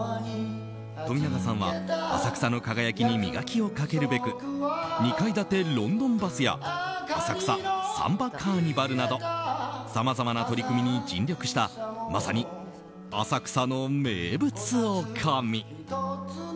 冨永さんは、浅草の輝きに磨きをかけるべく２階建てロンドンバスや浅草サンバカーニバルなどさまざまな取り組みに尽力したまさに浅草の名物おかみ。